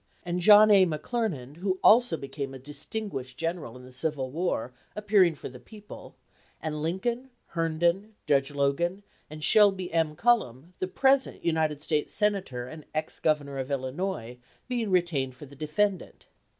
236 LEGAL ETHICS who also became a distinguished general in the Civil War, appearing for the people, and Lincoln, Herndon, Judge Logan, and Shelby M. Cullom, the present United States senator and ex Governor of Illinois, being retained for the defendant.